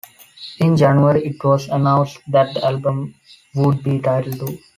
In January it was announced that the album would be titled "Two".